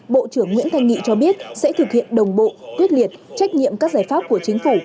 bộ trưởng nguyễn thanh nghị cho biết sẽ thực hiện đồng bộ quyết liệt trách nhiệm các giải pháp của chính phủ